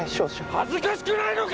恥ずかしくないのか！